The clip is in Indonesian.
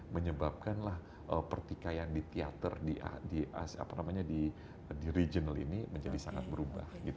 menyebabkanlah pertikaian di teater di regional ini menjadi sangat berubah